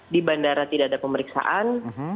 di bandara tidak ada pemeriksaan